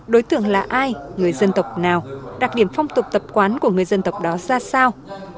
đối tượng là ai người dân tộc nào đặc điểm phong tục tập quán của người dân tộc đó ra sao